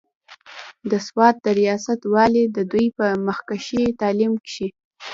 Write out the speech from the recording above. د سوات د رياست والي د دوي پۀ مخکښې تعليم کښې